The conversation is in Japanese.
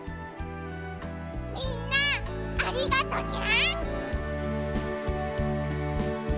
みんなありがとにゃ！